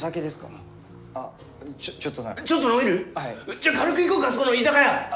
じゃ軽く行こうかそこの居酒屋。